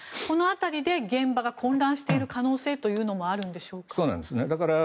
この辺りで現場が混乱している可能性というのもあるんでしょうか？